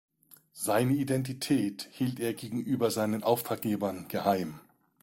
Seine Identität hielt er gegenüber seinen Auftraggebern geheim.